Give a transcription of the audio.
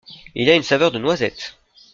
Il a une saveur de noisettes.